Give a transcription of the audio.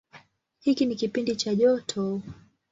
Hiki ni kipindi cha joto.